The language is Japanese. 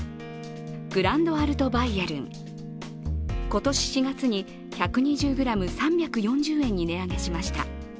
グランドアルトバイエルン今年４月に１２０ｇ３４０円に値上げしました。